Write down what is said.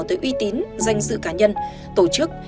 tới uy tín danh dự cá nhân tổ chức